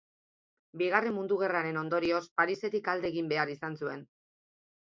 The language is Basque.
Bigarren Mundu Gerraren ondorioz, Parisetik alde egin behar izan zuen.